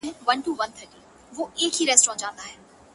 د ویده اولس تر کوره هنګامه له کومه راوړو،